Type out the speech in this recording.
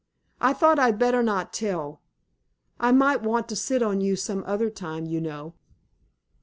I thought I'd better not tell. I might want to sit on you some other time, you know."